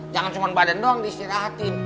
jangan cuma badan doang diistirahatin